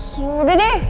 ya udah deh